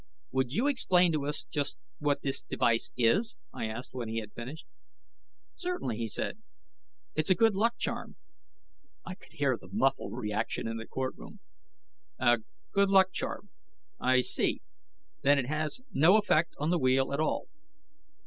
"Would you explain to us just what this device is?" I asked when he had finished. "Certainly," he said. "It's a good luck charm." I could hear the muffled reaction in the courtroom. "A good luck charm. I see. Then it has no effect on the wheel at all?"